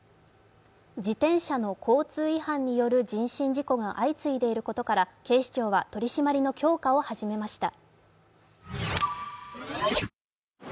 自転車の交通違反による人身事故が相次いでいることから警視庁は取り締まりの強化を始めました。